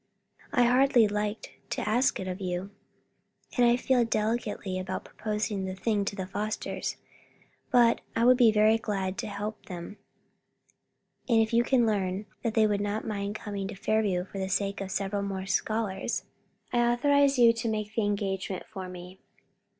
"I hardly liked to ask it of you." "And I feel a delicacy about proposing the thing to the Fosters, but I would be very glad to help them; and if you can learn that they would not mind coming to Fairview for the sake of several more scholars, I authorize you to make the engagement for me."